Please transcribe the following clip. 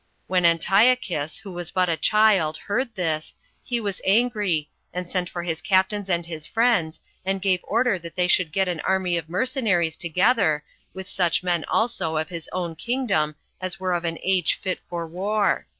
When Antiochus, who was but a child, heard this, he was angry, and sent for his captains and his friends, and gave order that they should get an army of mercenaries together, with such men also of his own kingdom as were of an age fit for war.